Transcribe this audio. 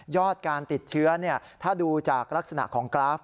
การติดเชื้อถ้าดูจากลักษณะของกราฟ